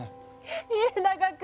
家長君。